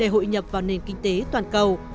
hội nhập vào nền kinh tế toàn cầu